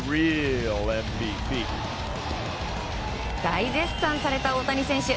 大絶賛された大谷選手。